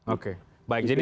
oke baik jadi